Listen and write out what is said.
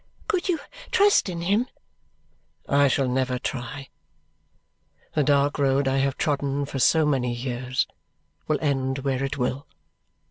"Could you trust in him?" "I shall never try. The dark road I have trodden for so many years will end where it will.